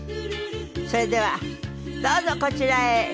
それではどうぞこちらへ。